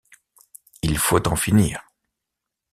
Il faut en finir.